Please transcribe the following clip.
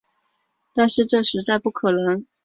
但是这实在不可能